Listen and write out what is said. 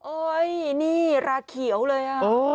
โอ้ยนี่ราเขียวเลยอะ